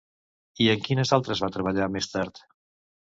I en quines altres va treballar més tard?